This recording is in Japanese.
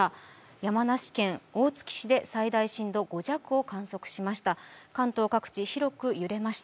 山梨県大月市で最大震度５弱を観測しました。